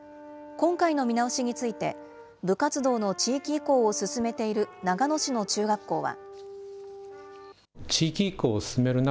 今回の見直しについて、部活動の地域移行を進めている長野市の中学校は。